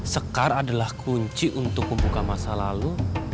sekar adalah kunci untuk membuka masa lalu